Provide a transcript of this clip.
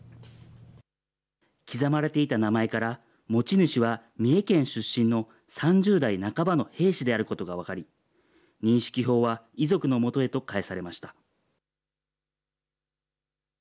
刻まれていた名前から、持ち主は三重県出身の３０代半ばの兵士であることが分かり、認識票は遺族のもとへと返されました。